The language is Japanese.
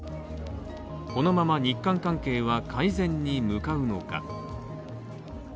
このまま日韓関係は改善に向かうのか。